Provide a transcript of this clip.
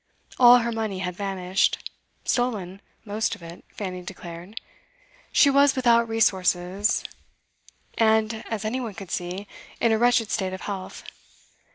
All her money had vanished; stolen, most of it, Fanny declared; she was without resources, and, as any one could see, in a wretched state of health.